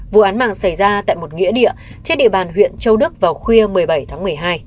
vụ án mạng xảy ra tại một nghĩa địa trên địa bàn huyện châu đức vào khuya một mươi bảy tháng một mươi hai